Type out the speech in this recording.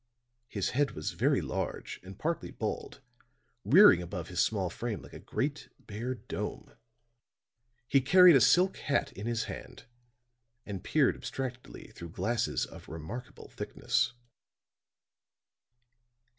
His head was very large and partly bald, rearing above his small frame like a great, bare dome; he carried a silk hat in his hand, and peered abstractedly through spectacles of remarkable thickness.